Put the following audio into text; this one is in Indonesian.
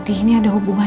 saya siang juga